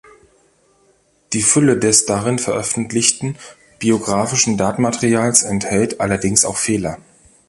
Die Fülle des darin veröffentlichten biografischen Datenmaterials enthält allerdings auch Fehler.